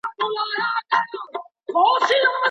که ښاروالي خپل عواید سم ولګوي، نو د پروژو کیفیت نه خرابیږي.